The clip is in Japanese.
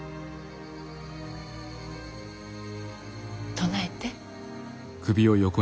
唱えて。